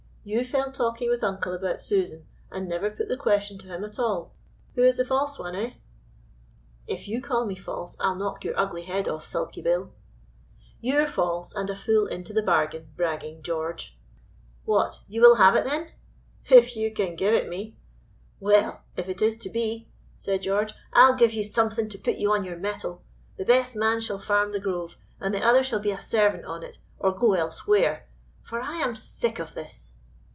You fell talking with uncle about Susan, and never put the question to him at all. Who is the false one, eh?" "If you call me false, I'll knock your ugly head off, sulky Bill." "You're false, and a fool into the bargain, bragging George!" "What, you will have it, then?" "If you can give it me." "Well, if it is to be," said George, "I'll give you something to put you on your mettle. The best man shall farm 'The Grove,' and the other shall be a servant on it, or go elsewhere, for I am sick of this."